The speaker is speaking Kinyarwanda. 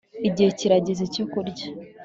igihe kirageze cyo kurya